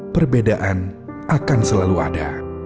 perbedaan akan selalu ada